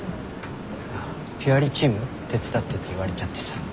あっ「ＰｕｒｅＲＥ」チーム手伝ってって言われちゃってさ。